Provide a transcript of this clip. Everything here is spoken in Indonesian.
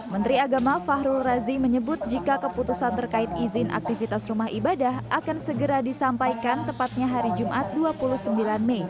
menteri agama fahrul razi menyebut jika keputusan terkait izin aktivitas rumah ibadah akan segera disampaikan tepatnya hari jumat dua puluh sembilan mei